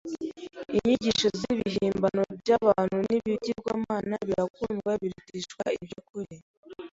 Inyigisho z’ibihimbano by’abantu n’ibigirwamana birakundwa bikarutishwa iby’ukuri.